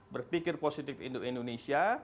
berpikir positif untuk indonesia